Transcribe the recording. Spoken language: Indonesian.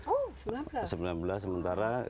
oh sembilan belas sembilan belas sementara